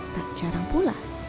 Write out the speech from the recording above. tak jarang pula